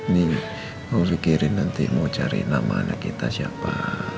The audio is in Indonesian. nih mau dikirim nanti mau cari nama anak kita siapa